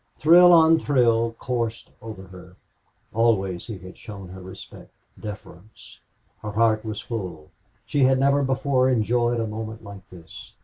Thrill on thrill coursed over her. Always he had showed her respect, deference. Her heart was full. She had never before enjoyed a moment like this.